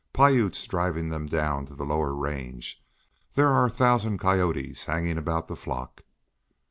"Piute's driving them down to the lower range. There are a thousand coyotes hanging about the flock."